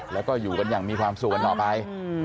แล้วก็อยู่กันอย่างมีความสุขกันต่อไป